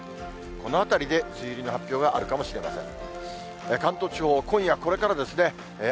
このあたりで梅雨入りの発表があるかもしれません。